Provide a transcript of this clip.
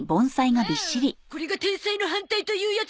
これが天才の反対というやつですか。